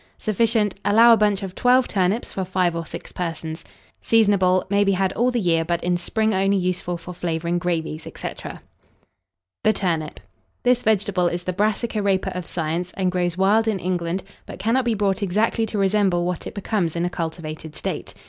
Sufficient. Allow a bunch of 12 turnips for 5 or 6 persons. Seasonable. May be had all the year; but in spring only useful for flavouring gravies, &c. [Illustration: TURNIPS.] THE TURNIP. This vegetable is the Brassica Rapa of science, and grows wild in England, but cannot be brought exactly to resemble what it becomes in a cultivated state.